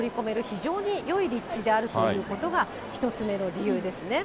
非常によい立地であるということが１つ目の理由ですね。